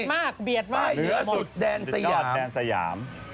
เหนือสุดแดนสยาม